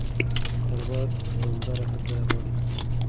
کاروبار دوامداره هڅه غواړي.